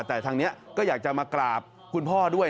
แต่ทางนี้ก็อยากจะมากราบคุณพ่อด้วย